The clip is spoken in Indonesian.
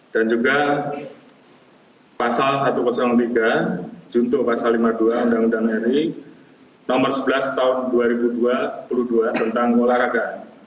dan juga pasal satu ratus tiga juntuh pasal lima puluh dua undang undang ri no sebelas tahun dua ribu dua puluh dua tentang olahraga